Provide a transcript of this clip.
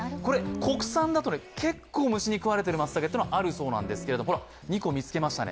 国際だと、結構虫に食われている松茸があるそうなんですけれども、２個見つけましたね。